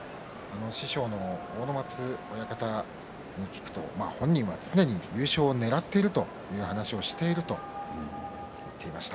師匠の阿武松親方に聞くと本人は常に優勝をねらっているという話をしていると言っていました。